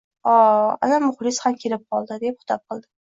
- O, ana, muxlis ham kelib qoldi! — deb xitob qildi